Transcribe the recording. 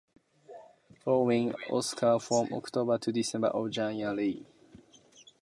Flowering occurs from October to December or January.